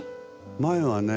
前はねえ